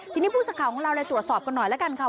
ทีนี้ผู้สักข่าวของเราเลยตรวจสอบกันหน่อยแล้วกันค่ะ